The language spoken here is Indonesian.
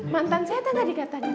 mantan setan nggak dikatanya